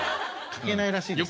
描けないらしいですね。